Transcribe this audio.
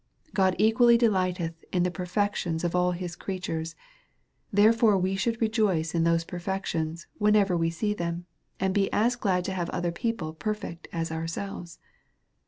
God equally delighteth in the perfections of all his creatures, therefore we should rejoice in those perfec tions, wherever we see them, and be as glad to have other people perfect as ourselves.